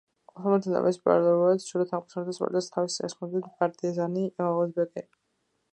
ოსმალებთან ომის პარალელურად, ჩრდილო-აღმოსავლეთიდან სპარსელებს თავს ესხმოდნენ პარტიზანი უზბეკები.